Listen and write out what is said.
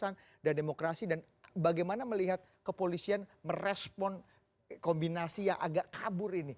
ketika demokrasi dan kebebasan dibuat